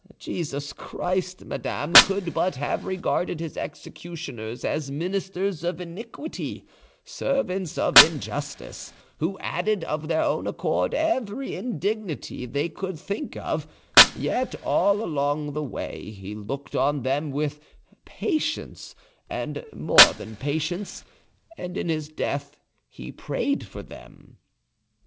Jesus Christ, madame, could but have regarded His executioners as ministers of iniquity, servants of injustice, who added of their own accord every indignity they could think of; yet all along the way He looked on them with patience and more than patience, and in His death He prayed for them."